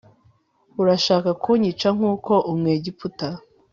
urashaka kunyica nk' uko umwegiputa